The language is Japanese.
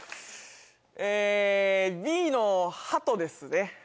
えＢのハトですね。